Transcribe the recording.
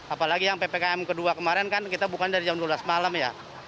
apalagi yang ppkm kedua kemarin kan kita bukan dari jam dua belas malam ya